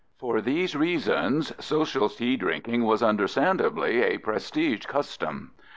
For these reasons, social tea drinking was, understandably, a prestige custom.